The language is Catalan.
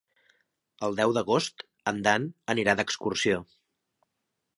El deu d'agost en Dan anirà d'excursió.